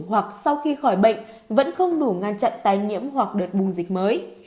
hoặc sau khi khỏi bệnh vẫn không đủ ngăn chặn tái nhiễm hoặc đợt bùng dịch mới